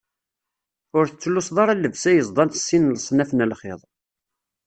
Ur tettlusuḍ ara llebsa yeẓḍan s sin n leṣnaf n lxiḍ.